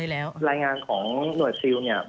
เลยแล้วรายงานของหน่วยซิลเนี่ยบอกว่า